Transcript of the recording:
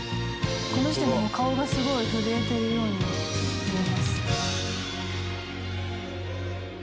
「この人の顔がすごい震えてるように見えます」